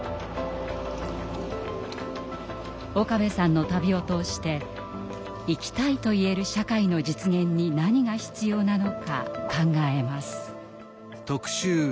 岡部さんの旅を通して生きたいと言える社会の実現に何が必要なのか考えます。